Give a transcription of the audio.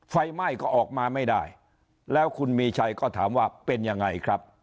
ไฟไหม้ก็ออกมาไม่ได้แล้วคุณมีชัยก็ถามว่าเป็นยังไงครับ